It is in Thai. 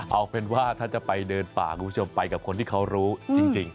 เอาเป็นว่าถ้าจะไปเดินป่าคุณผู้ชมไปกับคนที่เขารู้จริง